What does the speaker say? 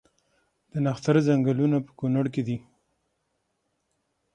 د نښتر ځنګلونه په کنړ کې دي؟